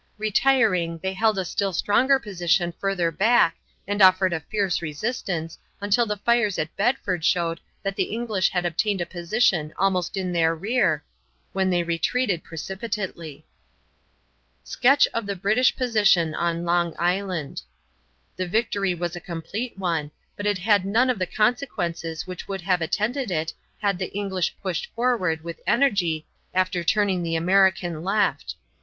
Retiring, they held a still stronger position further back and offered a fierce resistance until the fires at Bedford showed that the English had obtained a position almost in their rear, when they retreated precipitately. [Illustration: Sketch of the British Position on Long Island.] The victory was a complete one, but it had none of the consequences which would have attended it had the English pushed forward with energy after turning the American left.